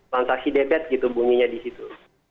lantasi debit gitu bunyinya di situ